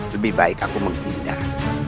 lebih baik aku menghindar